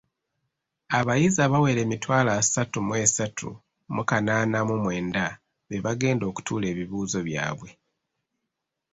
Abayizi abawera emitwalo asatu mu esatu mu kanaana mu mwenda be bagenda okutuula ebibuuzo byabwe.